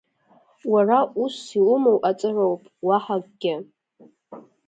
Уара усс иумоу аҵароуп, уаҳа акгьы.